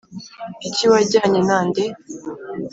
Iki wajyanye na nde